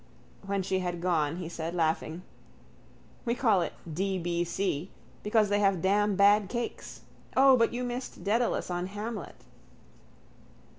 When she had gone he said, laughing: —We call it D.B.C. because they have damn bad cakes. O, but you missed Dedalus on _Hamlet.